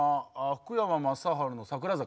福山雅治の「桜坂」。